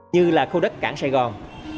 như là khu đất cảng sài gòn